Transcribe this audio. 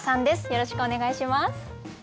よろしくお願いします。